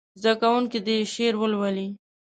زده کوونکي دې شعر ولولي.